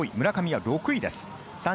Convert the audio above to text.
村上は６位です。